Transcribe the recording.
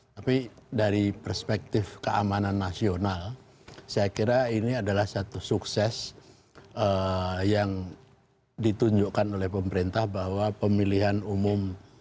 tapi dari perspektif keamanan nasional saya kira ini adalah satu sukses yang ditunjukkan oleh pemerintah bahwa pemilihan umum